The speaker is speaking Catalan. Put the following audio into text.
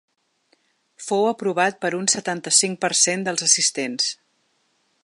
Fou aprovat per un setanta-cinc per cent dels assistents.